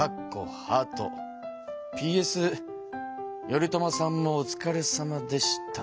ＰＳ頼朝さんもおつかれさまでした」